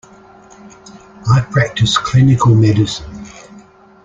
I practice clinical medicine.